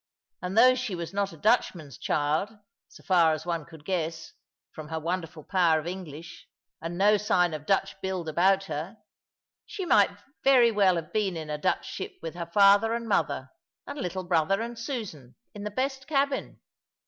And though she was not a Dutchman's child, so far as one could guess, from her wonderful power of English, and no sign of Dutch build about her, she might very well have been in a Dutch ship with her father and mother, and little brother and Susan, in the best cabin.